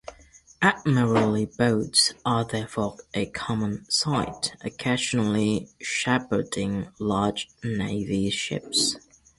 "Admiralty boats" are therefore a common sight, occasionally shepherding large Navy ships.